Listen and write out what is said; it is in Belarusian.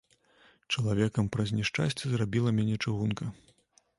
Чалавекам праз няшчасце зрабіла мяне чыгунка.